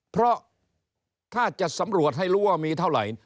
เพราะถ้าจะสำรวจให้รู้ว่ามีเท่าไหร่